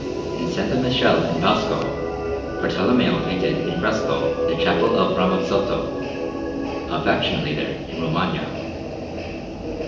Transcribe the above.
In S. Michele in Bosco Bartolommeo painted in fresco the Chapel of Ramazzotto, a faction leader in Romagna.